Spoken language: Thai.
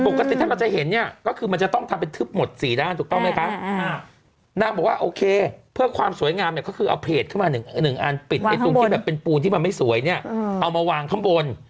ปกติถ้าเราจะเห็นเนี่ยก็คือมันจะต้องทำเป็นทึบหมดสี่ด้านถูกต้องไหมคะนางบอกว่าโอเคเพื่อความสวยงามเนี่ยก็คือเอาเพจขึ้นมา๑อันปิดไอ้ตรงที่แบบเป็นปูนที่มันไม่สวยเนี่ยเอามาวางข้างบน